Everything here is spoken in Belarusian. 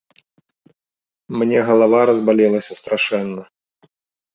Мне галава разбалелася страшэнна.